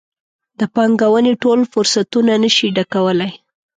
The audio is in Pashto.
د پانګونې ټول فرصتونه نه شي ډکولی.